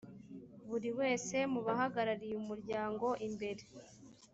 buri wese mu bahagarariye umuryango imbere